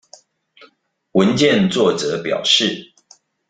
文件作者表示